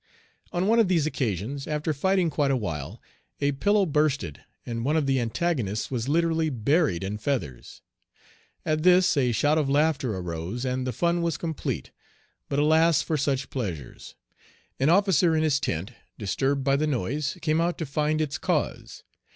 On one of these occasions, after fighting quite a while, a pillow bursted, and one of the antagonists was literally buried in feathers. At this a shout of laughter arose and the fun was complete. But alas for such pleasures! An officer in his tent, disturbed by the noise, came out to find its cause.